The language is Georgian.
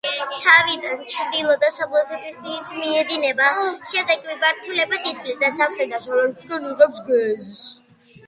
თავიდან ჩრდილო-დასავლეთით მიედინება, შემდეგ მიმართულებას იცვლის და სამხრეთ-დასავლეთისკენ იღებს გეზს.